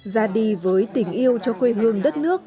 ra đi với tình yêu cho quê hương đất nước